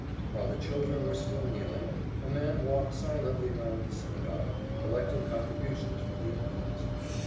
While the children were still kneeling, a man walked silently round the synagogue, collecting contributions for the orphans.